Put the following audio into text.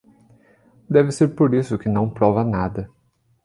Deve ser por isso que não prova nada.